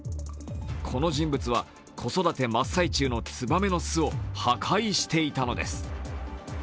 この人物は子育て真っ最中のツバメの巣を破壊していたのです。